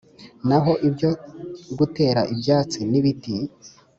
Naho ibyo gutera ibyatsi n’ibiti